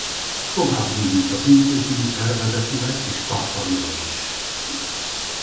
Tovább bővült az intézmény szervezetileg és tartalmilag is.